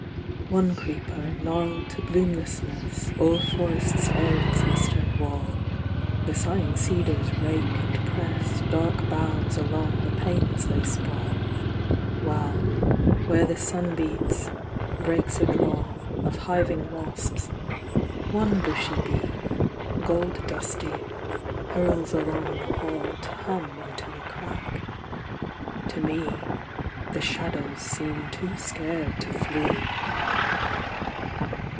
2. One creeper, gnarled to bloomlessness, O'er forests all its eastern wall; The sighing cedars rake and press Dark boughs along the panes they sprawl; While, where the sun beats, breaks a drawl Of hiving wasps; one bushy bee, Gold dusty, hurls along the hall To hum into a crack. To me The shadows seem too scared to flee.